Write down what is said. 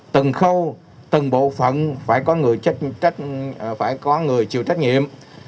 từng khâu từng bộ phận phải có người chịu trách nhiệm